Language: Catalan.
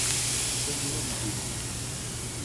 Això ajuda a llegir-ho.